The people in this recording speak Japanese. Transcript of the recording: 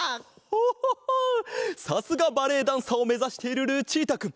さすがバレエダンサーをめざしているルチータくん。